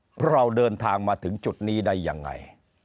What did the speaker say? เพราะเราเดินทางมาถึงจุดนี้ได้ยังไง